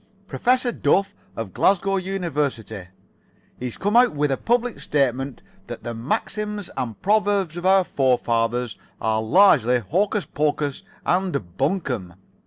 Professor Duff, of Glasgow University, has come out with a public statement that the maxims and proverbs of our forefathers are largely hocus pocus and buncombe.